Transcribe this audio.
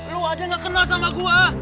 lu aja gak kenal sama gue